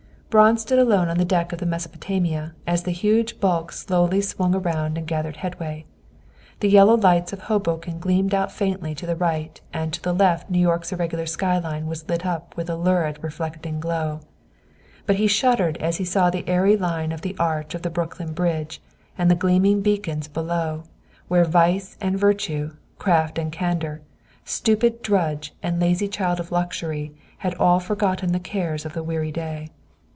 Braun stood alone on the deck of the "Mesopotamia" as the huge bulk slowly swung around and gathered headway. The yellow lights of Hoboken gleamed out faintly to the right, and to the left New York's irregular skyline was lit up with a lurid reflected glow. But he shuddered as he saw the airy line of the arch of Brooklyn Bridge and the gleaming beacons below, where vice and virtue, craft and candor, stupid drudge and lazy child of luxury had all forgotten the cares of the weary day.